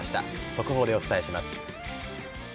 速報でお伝えします。